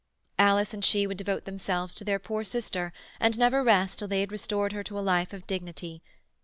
Alice and she would devote themselves to their poor sister, and never rest till they had restored her to a life of dignity.